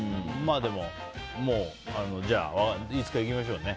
でも、じゃあいつか行きましょうね。